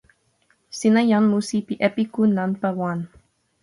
sina jan musi pi epiku nanpa wan.